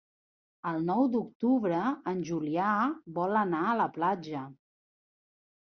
El nou d'octubre en Julià vol anar a la platja.